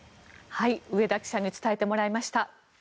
上田記者に伝えてもらいました。